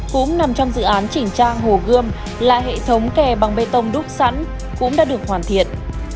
cũng nằm trong dự án chỉnh trang hồ gươm là hệ thống kè bằng bê tông đúc sẵn cũng đã được hoàn thiện